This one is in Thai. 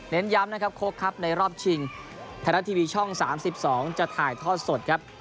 เน้นย้ำนะครับโค๊กครับในรอบชิงแผนทีวีช่องสามสิบสองจะถ่ายทอดสดครับ